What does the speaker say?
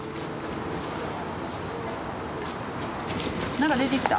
なんか出てきた？